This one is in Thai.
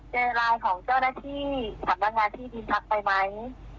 ไลน์ของเจ้าหน้าที่สำนักงานที่ดินทักไปไหม